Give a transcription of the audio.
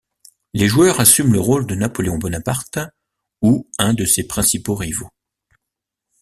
Les joueurs assument le rôle de Napoléon Bonaparte, ou un de ses principaux rivaux.